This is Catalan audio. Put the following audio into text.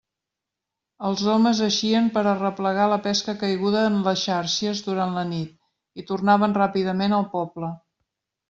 Els homes eixien per a arreplegar la pesca caiguda en les xàrcies durant la nit, i tornaven ràpidament al poble.